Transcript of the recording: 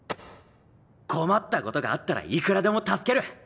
困ったことがあったらいくらでも助ける。